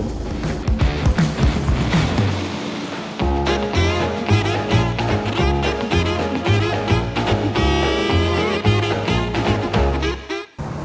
ใช่ไหม